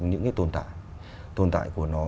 những cái tồn tại tồn tại của nó